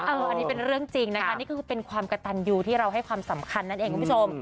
อันนี้เป็นเรื่องจริงนะคะนี่ก็คือเป็นความกระตันยูที่เราให้ความสำคัญนั่นเองคุณผู้ชม